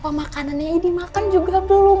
pak makanan nia dimakan juga belum